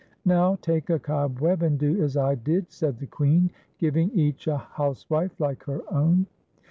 " Now, take a cobweb, and do as I did," said the Queen, giving each a housewife like her own.